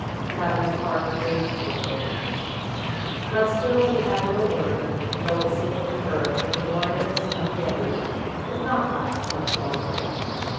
Madame's heart ached for Rose, but still she said no word, though it seemed to her that the blindness of the others could not last much longer.